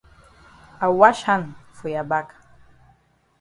I wash hand for ya back.